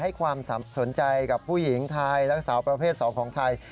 ให้ความสนใจกับผู้หญิงไทยและสาวประเภท๒ของไทย